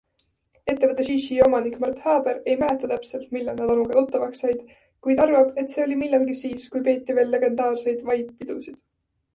Ettevõtte ShiShi omanik Mart Haber ei mäleta täpselt, millal nad Anuga tuttavaks said, kuid arvab, et see oli millalgi siis, kui peeti veel legendaarseid Vibe-pidusid.